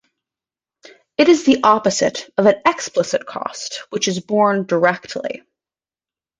It is the opposite of an explicit cost, which is borne directly.